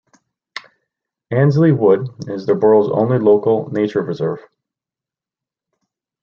Ainslie Wood is the borough's only Local Nature Reserve.